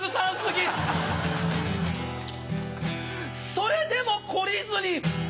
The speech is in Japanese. それでも懲りずに